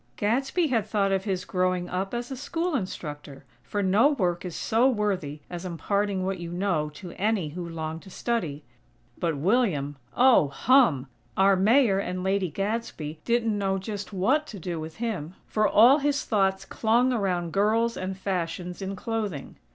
Gadsby had thought of his growing up as a school instructor, for no work is so worthy as imparting what you know to any who long to study. But William! Oh, hum!! Our Mayor and Lady Gadsby didn't know just what to do with him; for all his thoughts clung around girls and fashions in clothing.